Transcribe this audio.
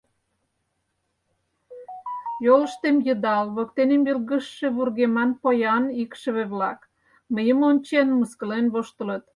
Йолыштем йыдал, воктенем йылгыжше вургеман поян икшыве-влак, мыйым ончен, мыскылен воштылыт...